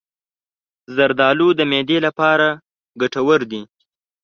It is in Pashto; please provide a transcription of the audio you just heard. زردالو د معدې لپاره مفید دی.